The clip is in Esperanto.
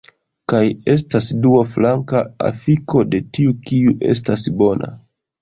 Kaj estas dua flanka afiko de tiu kiu estas bona